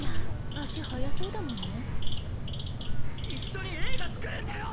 足速そうだもんね。